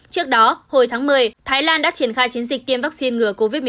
trước đó hồi tháng một mươi thái lan đã triển khai chiến dịch tiêm vaccine ngừa covid một mươi chín